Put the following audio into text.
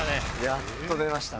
やっと出ました。